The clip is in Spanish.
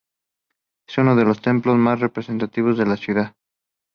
Es uno de los templos más representativos de la ciudad.